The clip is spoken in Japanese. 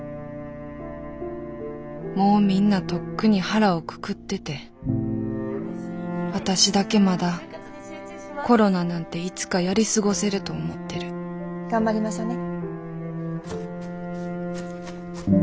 もうみんなとっくに腹をくくってて私だけまだコロナなんていつかやり過ごせると思ってる頑張りましょうね。